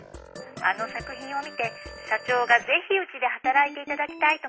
☎あの作品を見て社長がぜひうちで働いていただきたいと申しておりまして。